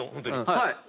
はい。